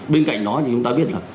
bên cạnh đó thì chúng ta biết là